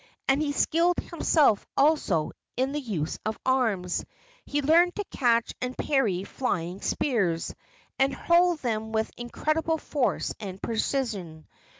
And he skilled himself, also, in the use of arms. He learned to catch and parry flying spears, and hurl them with incredible force and precision.